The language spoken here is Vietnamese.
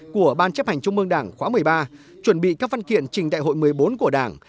của ban chấp hành trung mương đảng khóa một mươi ba chuẩn bị các văn kiện trình đại hội một mươi bốn của đảng